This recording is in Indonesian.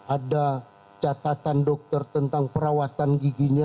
ada catatan dokter tentang perawatan giginya